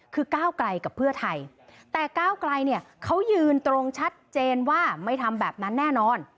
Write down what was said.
คือก้าวไกลกับเพื่อไทยแต่ก้าวไกลเนี่ยเขายืนตรงชัดเจนว่าไม่ทำแบบนั้นแน่นอน